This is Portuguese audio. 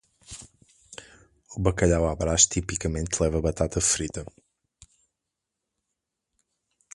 O bacalhau à Brás tipicamente leva batata frita.